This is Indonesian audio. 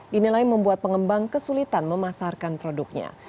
dinilai membuat pengembang kesulitan memasarkan produknya